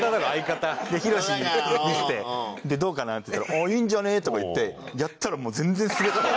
で博に見せて「どうかな？」って言ったら「ああいいんじゃね？」とか言ってやったらもう全然スベって。